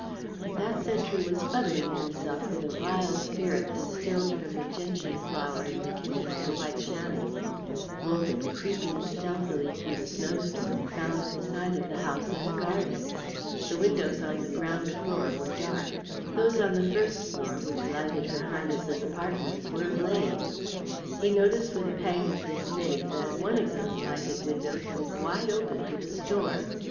But that sentry was fuddling himself with a vile spirit distilled from the gentian flower in the kitchen of "The White Chamois." Wogan, creeping stealthily through the snow storm, found the side of the house unguarded. The windows on the ground floor were dark; those on the first floor which lighted her Highness's apartments were ablaze. He noticed with a pang of dismay that one of those lighted windows was wide open to the storm.